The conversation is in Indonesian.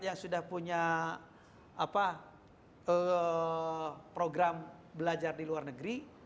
yang sudah punya program belajar di luar negeri